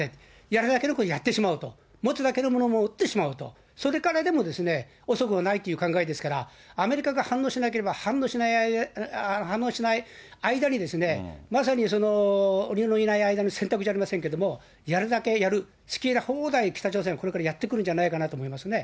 やれるだけやってしまおうと、持つだけのものを持ってしまおうと、それからでも遅くはないという考えですから、アメリカが反応しなければ反応しない間に、まさに鬼のいない間に洗濯じゃありませんけど、やるだけやる、好き放題、北朝鮮はこれからやってくるんじゃないかなと思いますね。